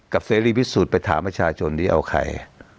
กับเซรีพิสูจน์ไปถามประชาชนที่จะเอาใคร